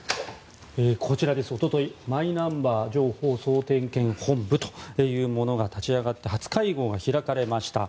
こちら、一昨日マイナンバー情報総点検本部が立ち上がって初会合が開かれました。